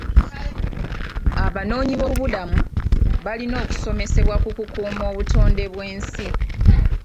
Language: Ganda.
Abanoonyiboobubudamu balina okusomesebwa ku kukuuma obutonde bw'ensi.